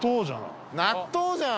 塙：納豆じゃん！